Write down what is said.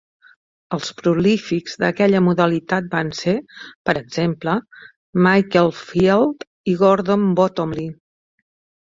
Els prolífics d'aquella modalitat van ser, per exemple, Michael Field i Gordon Bottomley.